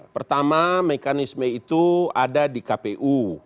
pertama mekanisme itu ada di kpu